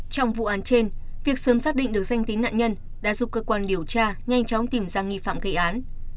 trong vụ án trên việc sớm xác định được danh tính nạn nhân đã giúp cơ quan điều tra nhanh chóng tìm ra nghi phạm gây án